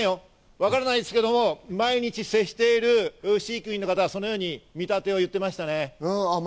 分からないですけど毎日接している飼育員の方はそのように見立てを言ってましたね。